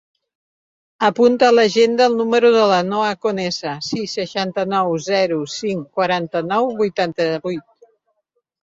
Apunta a l'agenda el número de la Noha Conesa: sis, seixanta-nou, zero, cinc, quaranta-nou, vuitanta-vuit.